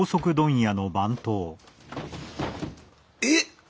えっ？